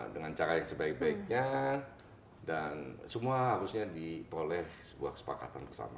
dengan cara yang sebaik baiknya dan semua harusnya diperoleh sebuah kesepakatan bersama